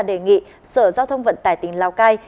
đề nghị sở giao thông vận tải tỉnh lào cai